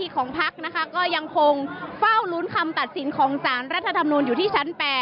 ก็ยังคงเฝ้ารุ้นคำตัดสินของสารรัฐธรรมนุนอยู่ที่ชั้น๘